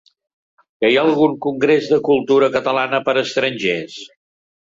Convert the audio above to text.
Que hi ha algun congrés de cultura catalana per a estrangers?